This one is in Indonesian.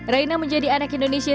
raina menjadi anak indonesia